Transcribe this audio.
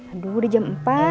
aduh udah jam empat